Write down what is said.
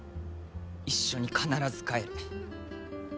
一緒に必ず帰る。